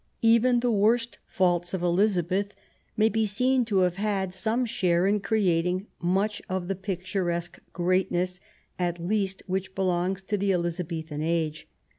Even the worst faults of Elizabeth may be seen to have had some share in creating much of the picturesque great ness at least which belongs to the Elizabethan age.